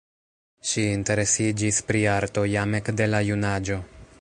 Ŝi interesiĝis pri arto jam ekde la junaĝo.